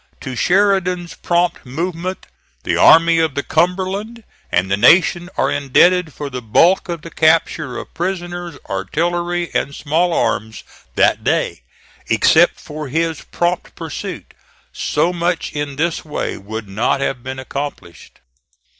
To Sheridan's prompt movement the Army of the Cumberland, and the nation, are indebted for the bulk of the capture of prisoners, artillery, and small arms that day. Except for his prompt pursuit, so much in this way would not have been accomplished.